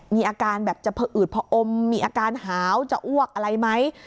มีอาการแบบจะพออืดพออมมีอาการหาวจะอ้วกอะไรไหม